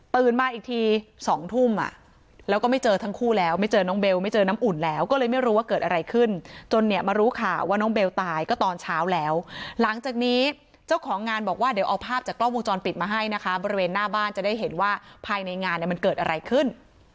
มาอีกที๒ทุ่มแล้วก็ไม่เจอทั้งคู่แล้วไม่เจอน้องเบลไม่เจอน้ำอุ่นแล้วก็เลยไม่รู้ว่าเกิดอะไรขึ้นจนเนี่ยมารู้ข่าวว่าน้องเบลตายก็ตอนเช้าแล้วหลังจากนี้เจ้าของงานบอกว่าเดี๋ยวเอาภาพจากกล้องวงจรปิดมาให้นะคะบริเวณหน้าบ้านจะได้เห็นว่าภายในงานเนี่ยมันเกิดอะไรขึ้น